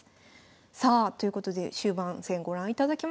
さあということで終盤戦ご覧いただきました。